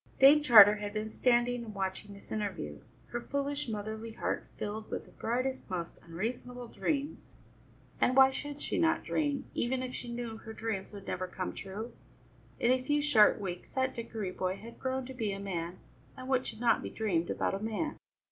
Dame Charter had been standing and watching this interview, her foolish motherly heart filled with the brightest, most unreasonable dreams. And why should she not dream, even if she knew her dreams would never come true? In a few short weeks that Dickory boy had grown to be a man, and what should not be dreamed about a man!